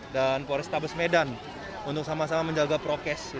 dan forestabes medan untuk sama sama menjaga prokes